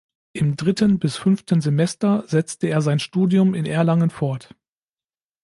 Im dritten bis fünften Semester setzte er sein Studium in Erlangen fort.